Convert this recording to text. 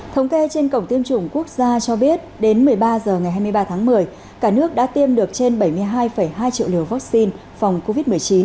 thống kê trên cổng tiêm chủng quốc gia cho biết đến một mươi ba h ngày hai mươi ba tháng một mươi cả nước đã tiêm được trên bảy mươi hai hai triệu liều vaccine phòng covid một mươi chín